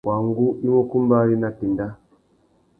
Wăngú i mú kumbari nà téndá.